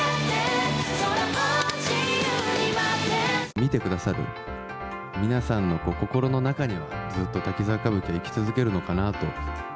見てくださる皆さんの心の中には、ずっと滝沢歌舞伎が生き続けるのかなと。